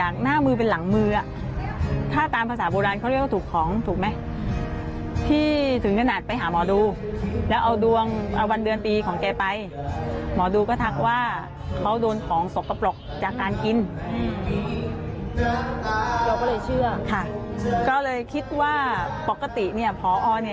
เดี๋ยวลองฟังดูนะฮะ